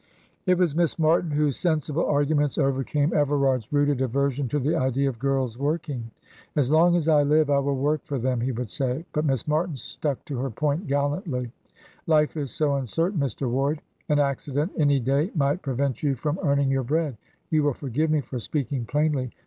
It was Miss Martin whose sensible arguments overcame Everard's rooted aversion to the idea of his girls working. "As long as I live I will work for them," he would say; but Miss Martin stuck to her point gallantly. "Life is so uncertain, Mr. Ward. An accident any day might prevent you from earning your bread you will forgive me for speaking plainly.